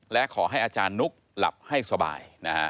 และขอให้อาจารย์นุ๊กหลับให้สบาย